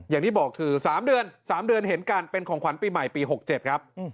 อย่างที่บอกคือ๓เดือน๓เดือนเห็นการเป็นของขวัญปีใหม่ปี๖๗ครับ